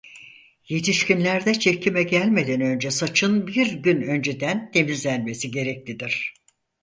Yetişkinlerde çekime gelmeden önce saçın bir gün önceden temizlenmesi gereklidir.